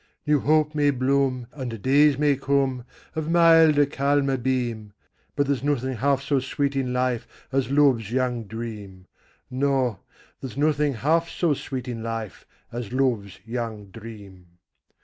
New hope may bloom, And days may come, Of milder, calmer beam, But there's nothing half so sweet in life As love's young dream; No, there's nothing half so sweet in life As love's young dream.